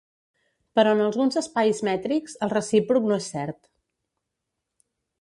Però en alguns espais mètrics, el recíproc no és cert.